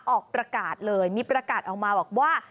ออกประกาศเลยมีประกาศออกมาบอกว่า